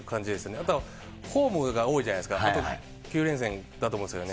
あとはホームが多いじゃないですか、９連戦だと思うんですけどね。